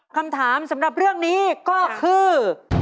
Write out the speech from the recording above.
คำถามสำหรับเรื่องนี้ก็คือ